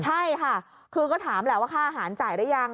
ใช่ค่ะคือก็ถามแหละว่าค่าอาหารจ่ายหรือยัง